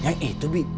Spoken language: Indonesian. yang itu bi